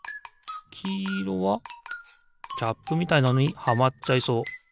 きいろはキャップみたいなのにはまっちゃいそう。